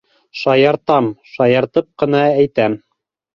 Шаяртам, шаяртып ҡына әйтәм.